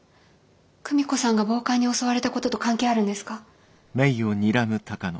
久美子さんが暴漢に襲われたことと関係あるんですか？